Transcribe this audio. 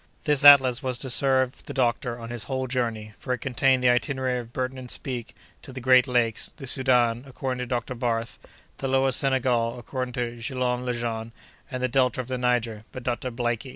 This Atlas was to serve the doctor on his whole journey; for it contained the itinerary of Burton and Speke to the great lakes; the Soudan, according to Dr. Barth; the Lower Senegal, according to Guillaume Lejean; and the Delta of the Niger, by Dr. Blaikie.